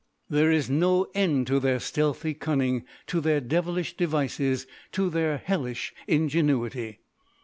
"There is no end to their stealthy cunning, to their devilish devices, to their hellish ingenuity!